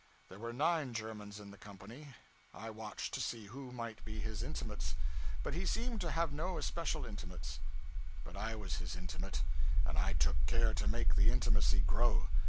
There were nine Germans in the company. I watched, to see who might be his intimates; but he seemed to have no especial intimates. But I was his intimate; and I took care to make the intimacy grow.